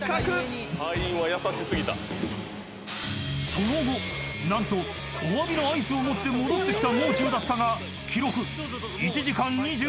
［その後何とおわびのアイスを持って戻ってきたもう中だったが］